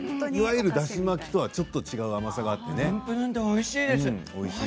だし巻きとはちょっと違う甘さがあってね。